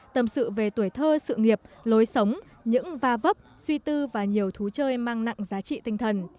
tâm sự về tuổi thơ sự nghiệp lối sống những va vấp suy tư và nhiều thú chơi mang nặng giá trị tinh thần